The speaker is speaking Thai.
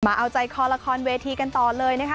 เอาใจคอละครเวทีกันต่อเลยนะคะ